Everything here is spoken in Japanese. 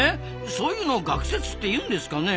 そういうの学説っていうんですかね？